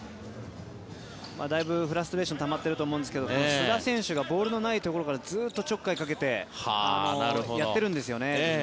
だいぶフラストレーションたまってると思うんですけど須田選手がボールのないところからずっと、ちょっかいかけてやってるんですよね。